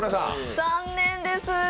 残念です。